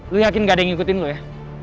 lu yakin gak ada yang ngikutin lo ya